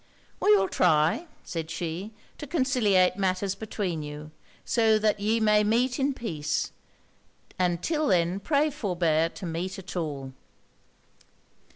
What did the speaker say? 'We will try,' said she, 'to conciliate matters between you, so that ye may meet in peace; and till then pray forbear to meet at all.'